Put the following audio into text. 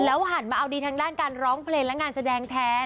หันมาเอาดีทางด้านการร้องเพลงและงานแสดงแทน